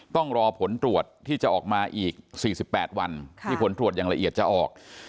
ต้องรอผลตรวจที่จะออกมาอีก๔๘วันที่ผลตรวจอย่างละเอียดจะออก